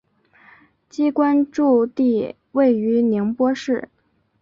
机关驻地位于宁波市。